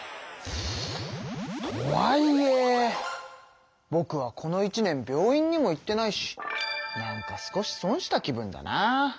とはいえぼくはこの一年病院にも行ってないしなんか少し損した気分だなあ。